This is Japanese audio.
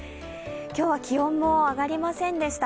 今日は気温も上がりませんでした。